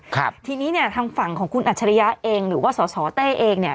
ครับทีนี้เนี่ยทางฝั่งของคุณอัจฉริยะเองหรือว่าสอสอเต้เองเนี่ย